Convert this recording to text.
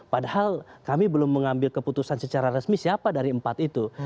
padahal kami belum mengambil keputusan secara resmi siapa dari empat itu